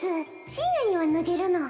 深夜には脱げるの